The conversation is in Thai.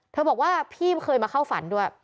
บอกว่าพี่เคยมาเข้าฝันด้วย